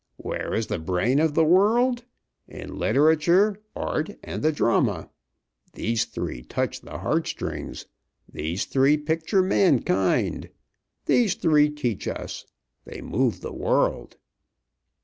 Where is the brain of the world? In literature, art, and the drama. These three touch the heartstrings; these three picture mankind; these three teach us. They move the world."